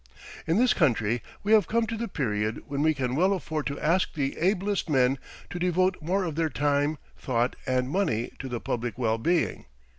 In this country we have come to the period when we can well afford to ask the ablest men to devote more of their time, thought, and money to the public well being.